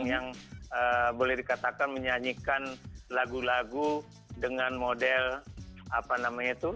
yang boleh dikatakan menyanyikan lagu lagu dengan model apa namanya itu